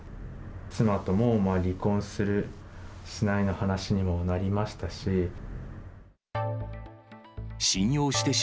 妻とも離婚する、しないの話にもなりましたし。